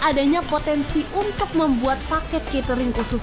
adanya potensi untuk membuat paket catering khusus